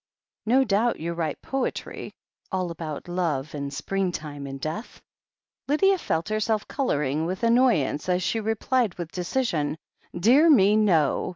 No doubt you write poetry — ^all about love, and spnng time, and death?" Lydia felt herself colouring with annoyance as she replied with decision : ''Dear me, no.